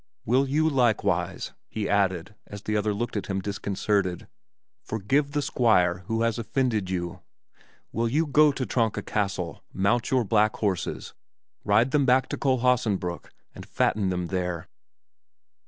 Will you likewise," he added, as the other looked at him disconcerted, "forgive the Squire who has offended you? Will you go to Tronka Castle, mount your black horses, ride them back to Kohlhaasenbrück and fatten them there?"